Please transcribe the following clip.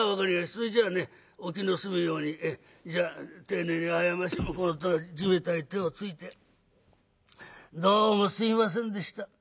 それじゃあねお気の済むようにじゃあ丁寧に謝りこのとおり地べたへ手をついてどうもすいませんでした。